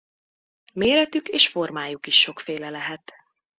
Méretük és formájuk is sokféle lehet.